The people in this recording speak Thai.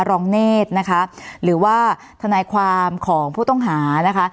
รองเนธนะคะหรือว่าทนายความของผู้ต้องหานะคะ